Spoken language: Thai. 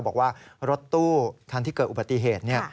บอกว่ารถตู้คันที่เกิดอุบัติเหตุ